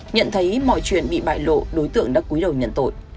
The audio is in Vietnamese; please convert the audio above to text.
nhận thấy mọi chuyện bị bại lộ đối tượng đã quý đầu nhận tội